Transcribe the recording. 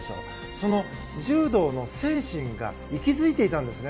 その柔道の精神が息づいていたんですね。